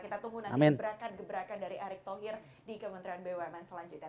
kita tunggu nanti gebrakan gebrakan dari erick thohir di kementerian bumn selanjutnya